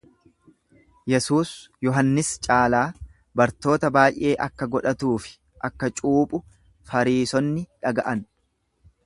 Yesuus Yohannis caalaa bartoota baay'ee akka godhatuufi akka cuuphu Fariisonni dhaga'an.